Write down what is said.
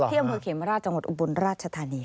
เที่ยวเมืองเขมราชอุบลราชธานี